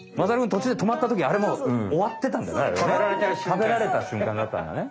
食べられたしゅんかんだったんだね。